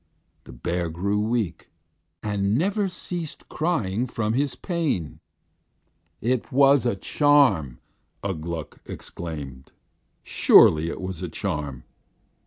The bear grew weak, and never ceased crying from his pain." "It was a charm!" Ugh Gluk exclaimed. "Surely it was a charm!"